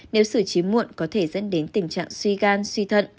nếu xử trí muộn có thể dẫn đến tình trạng suy gan suy thận